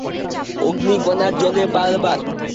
অগ্নিকণা জ্বলে বারবার।